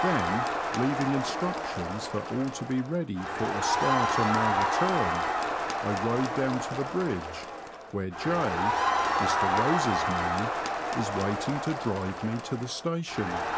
Then, leaving instructions for all to be ready for a start on my return, I rowed down to the bridge, where Jay (Mr Bose's man) was waiting to drive me to the station.